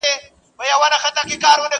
د ځوانۍ عمر چي تېر سي بیا په بیرته نه راځینه٫